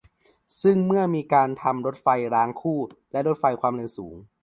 ซึ่งเมื่อมีการทำรถไฟรางคู่ และ รถไฟความเร็วสูง